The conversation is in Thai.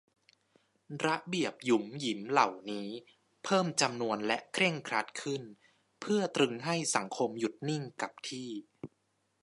ระเบียบหยุมหยิมเหล่านี้ เพิ่มจำนวนและเคร่งครัดขึ้น เพื่อตรึงให้สังคมหยุดนิ่งกับที่